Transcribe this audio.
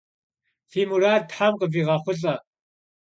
Fi murad them khıviğexhulh'e!